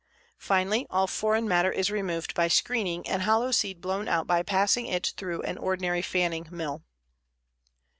Finally, all foreign matter is removed by screening and hollow seed blown out by passing it through an ordinary fanning mill.